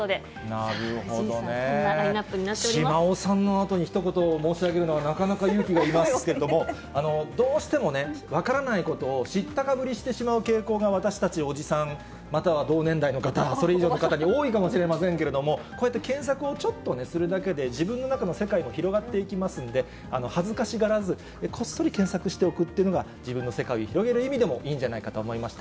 さあ、藤井さん、こんなラインナ千万億さんのあとにひと言申し上げるのは、なかなか勇気がいりますけれども、どうしてもね、分からないことを知ったかぶりしてしまう傾向が、私たち、おじさん、または同年代の方、それ以上の方に多いかもしれませんけれども、こうやって検索をちょっとするだけで自分の中の世界も広がっていきますので、恥ずかしがらず、こっそり検索しておくっていうのが、自分の世界を広げる意味でもいいんじゃないかと思いました。